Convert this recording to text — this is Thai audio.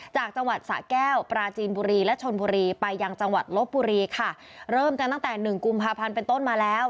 จากจังหวัดสะแก้วปราจีนบุรีและชนบุรีไปยังจังหวัดลบบุรีค่ะเริ่มกันตั้งแต่หนึ่งกุมภาพันธ์เป็นต้นมาแล้ว